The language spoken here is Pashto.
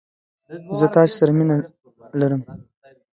زه تاسې سره مينه ارم!